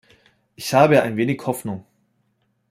Ich habe ein wenig Hoffnung.